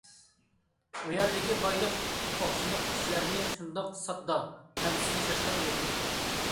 ئۇ يەردىكى بايلىق، توقچىلىق كىشىلەرنى شۇنداق ساددا، غەمسىز ياشاشقا ئۆگەتكەن.